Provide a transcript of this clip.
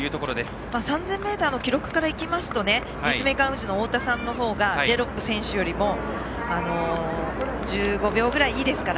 ３０００ｍの記録で言うと立命館宇治の太田さんの方がジェロップ選手よりも１５秒ぐらい、いいですから。